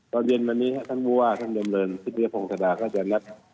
ตอนเย็นวันนี้ท่านผู้ว่าท่านดำเนินทิศพงศดาก็จะนัด